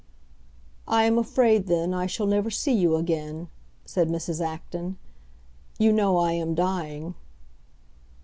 "I am afraid, then, I shall never see you again," said Mrs. Acton. "You know I am dying."